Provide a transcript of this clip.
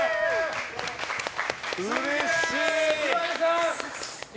うれしい！